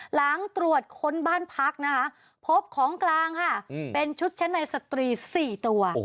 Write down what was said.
หลังตรวจค้นบ้านพักนะคะพบของกลางค่ะเป็นชุดชั้นในสตรี๔ตัว